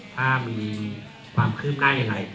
ถ้ามีความคลื่น่ายอย่างไร